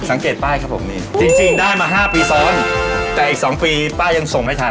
สังเกตป้ายครับผมนี่จริงจริงได้มา๕ปีซ้อนแต่อีก๒ปีป้ายังส่งไม่ทัน